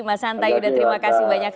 mas antayuda terima kasih banyak